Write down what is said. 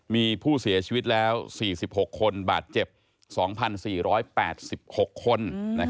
มีผู้เสียชีวิตแล้ว๔๖คนบาดเจ็บ๒๔๘๖คน